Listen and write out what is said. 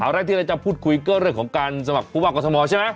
แรกที่เราจะพูดคุยก็เรื่องของการสมัครผู้ว่ากรทมใช่ไหม